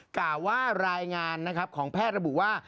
กล่าวว่ารายงานของแพทย์ระบุว่า